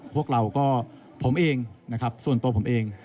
พวกเราก็ผมเองนะครับส่วนตัวผมเอง